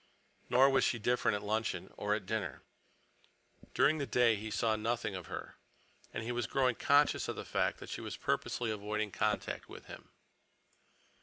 Nor was she different at luncheon or at dinner. During the day he saw nothing of her, and he was growing conscious of the fact that she was purposely avoiding contact with him.